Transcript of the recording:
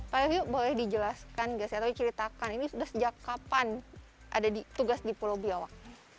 pak yoyo boleh dijelaskan nggak sih atau diceritakan ini sudah sejak kapan ada tugas di pulau biawak